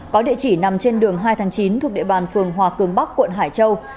có địa chỉ nằm trên đường hai tháng chín thuộc địa bàn phường hòa cường bắc quận hải châu